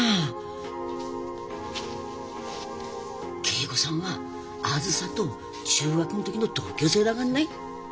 桂子さんはあづさと中学ん時の同級生だがんない。